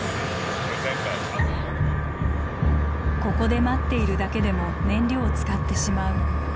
ここで待っているだけでも燃料を使ってしまう。